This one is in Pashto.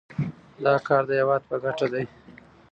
دا کار د هیواد په ګټه دی.